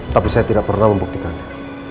tapi saya tidak pernah membuktikannya